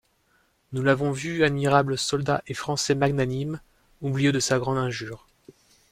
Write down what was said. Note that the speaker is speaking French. Nous l'avons vu admirable soldat et Français magnanime, oublieux de sa grande injure.